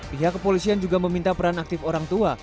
pihak kepolisian juga meminta peran aktif orang tua